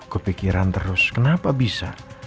kepikiran terus kenapa bisa